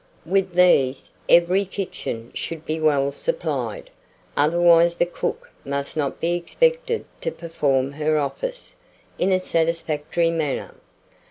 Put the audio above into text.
With these, every kitchen should be well supplied, otherwise the cook must not be expected to "perform her office" in a satisfactory manner.